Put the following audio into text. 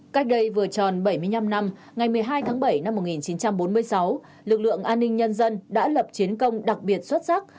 cách đây vừa tròn bảy mươi năm năm ngày một mươi hai tháng bảy năm một nghìn chín trăm bốn mươi sáu lực lượng an ninh nhân dân đã lập chiến công đặc biệt xuất sắc